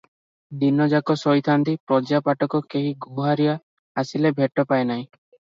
ଦିନଯାକ ଶୋଇଥାନ୍ତି, ପ୍ରଜା ପାଟକ କେହି ଗୁହାରିଆ ଆସିଲେ ଭେଟ ପାଏ ନାହିଁ ।